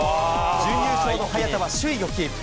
準優勝の早田は首位をキープ。